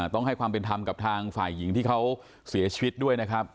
ต้องให้ความเป็นธรรมกับทางฝ่ายหญิงที่เขาเสียชีวิตด้วยนะครับ